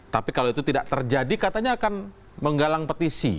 tapi kalau itu tidak terjadi katanya akan menggalang petisi